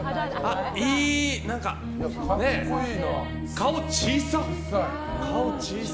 顔、小さっ。